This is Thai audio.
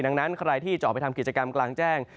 ดังนั้นใครที่จะออกไปทำกิจกรรมกลางแจ้ง